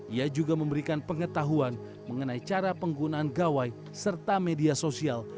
ia juga memberikan pengetahuan mengenai cara penggunaan gawai serta media sosial